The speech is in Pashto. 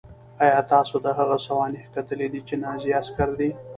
ایا تاسې د هغه سوانح کتلې دي چې نازي عسکر دی